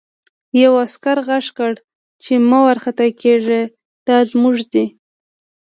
یوه عسکر غږ کړ چې مه وارخطا کېږه دا زموږ دي